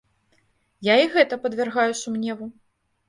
Я і гэта падвяргаю сумневу.